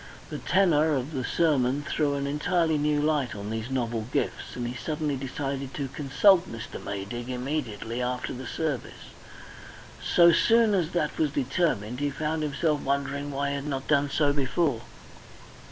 The tenor of the sermon threw an entirely new light on these novel gifts, and he suddenly decided to consult Mr. Maydig immediately after the service. So soon as that was determined, he found himself wondering why he had not done so before.